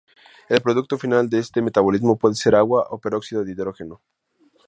El producto final de este metabolismo puede ser agua o peróxido de hidrógeno.